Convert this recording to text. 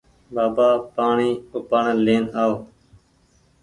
بآبآ پآڻيٚ اُپآڙين لين آئو